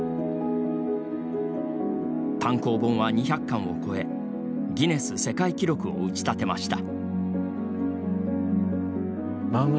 単行本は２００巻を超えギネス世界記録を打ち立てました。